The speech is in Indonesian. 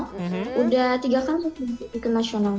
sudah tiga kali aku ikut nasional